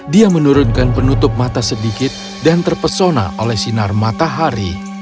dia menurunkan penutup mata sedikit dan terpesona oleh sinar matahari